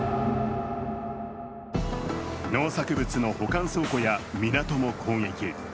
農作物の保管倉庫や港も攻撃。